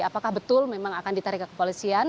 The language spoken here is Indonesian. apakah betul memang akan ditarik ke kepolisian